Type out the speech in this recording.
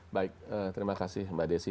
baik terima kasih mbak desi